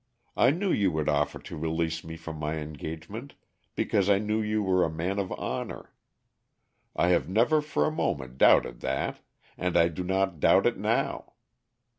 I knew you would offer to release me from my engagement, because I knew you were a man of honor. I have never for a moment doubted that, and I do not doubt it now.